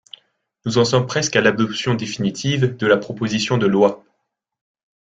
Nous en sommes presque à l’adoption définitive de la proposition de loi.